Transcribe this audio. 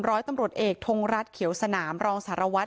ร้อยตำรวจเอกทงรัฐเขียวสนามรองสารวัตร